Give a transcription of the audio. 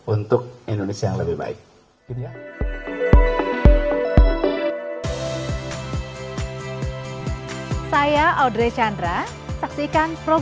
untuk indonesia yang lebih baik